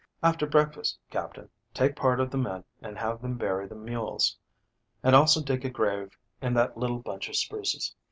After breakfast, Captain, take part of the men and have them bury the mules, and also dig a grave in that little bunch of spruces.